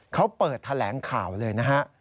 เขาเปิดแถลงข่าวเลยนะฮะ